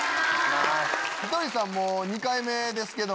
ひとりさん２回目ですけど。